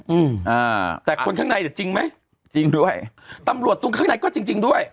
อืมอ่าแต่คนข้างในจะจริงไหมจริงด้วยตำรวจตรงข้างในก็จริงจริงด้วย